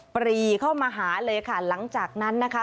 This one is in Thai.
ปรีเข้ามาหาเลยค่ะหลังจากนั้นนะคะ